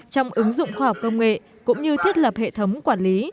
trong ứng dụng khoa học công nghệ cũng như thiết lập hệ thống quản lý